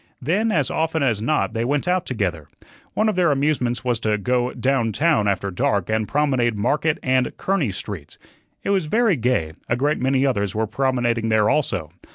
Then, as often as not, they went out together. One of their amusements was to go "down town" after dark and promenade Market and Kearney Streets. It was very gay; a great many others were promenading there also.